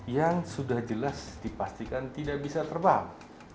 yang sudah jelas dipastikan tidak bisa terbang